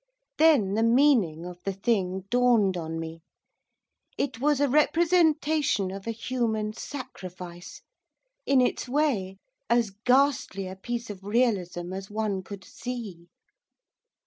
Then the meaning of the thing dawned on me, it was a representation of a human sacrifice. In its way, as ghastly a piece of realism as one could see.